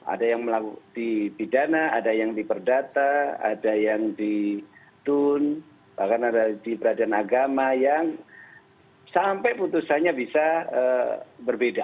ada yang dipidana ada yang di perdata ada yang di tun bahkan ada di peradilan agama yang sampai putusannya bisa berbeda